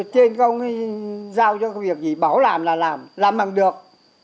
trên công giao cho việc gì bảo làm là làm làm bằng được